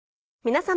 皆様。